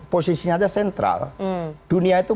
posisinya aja sentral dunia itu